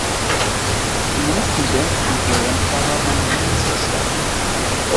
Die meisten Dirt Speedway-Rennfahrer wohnen in den Südstaaten.